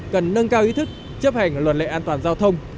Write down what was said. cần nâng cao ý thức chấp hành luật lệ an toàn giao thông